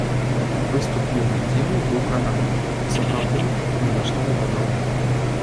Выступ юнай дзівы быў кранальным, і сапраўды ні на што не падобным.